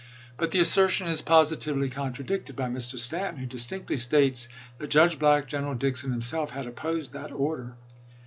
But the assertion is positively contradicted by Mr. Stanton, who distinctly states that Judge Black, General Dix, and himself "had opposed that order."